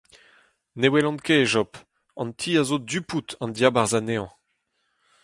"Ne welan ket, Job ; an ti a zo du-pod an diabarzh anezhañ. "